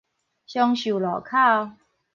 松壽路口